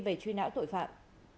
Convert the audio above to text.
về truy nã tội phạm